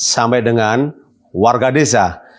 sampai dengan warga desa